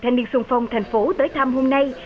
thanh niên sung phong thành phố tới thăm hôm nay